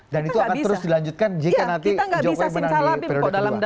dan itu akan terus dilanjutkan jika nanti jokowi menang di periode kedua